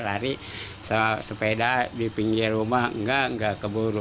lari sama sepeda di pinggir rumah enggak enggak keburu